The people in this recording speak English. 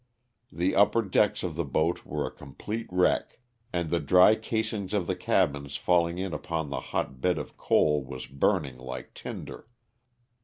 The upper decks of the boat were a complete wreck, and the dry casings of the cabins falling in upon the hot bed of coal was burning like tinder.